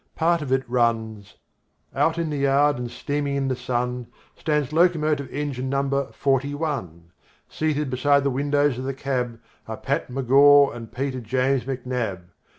Part of it runs: Out in the yard and steaming in the sun Stands locomotive engine number forty one; Seated beside the windows of the cab Are Pat McGaw and Peter James McNab.